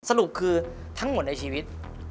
สรุปคือทั้งหมดในชีวิต